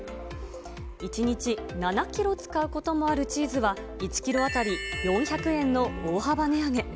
１日７キロ使うこともあるチーズは、１キロ当たり４００円の大幅値上げ。